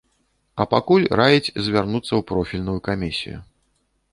А пакуль раіць звярнуцца ў профільную камісію.